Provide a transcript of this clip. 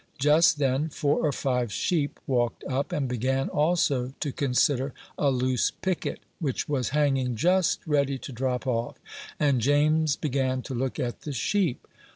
Just then four or five sheep walked up, and began also to consider a loose picket, which was hanging just ready to drop off; and James began to look at the sheep.